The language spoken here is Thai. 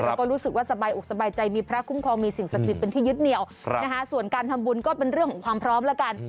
แล้วก็รู้สึกว่าสบายอกสบายใจมีพระคุ้มครองมีสิ่งศักดิ์สิทธิ์เป็นที่ยึดเหนียวส่วนการทำบุญก็เป็นเรื่องของความพร้อมแล้วกัน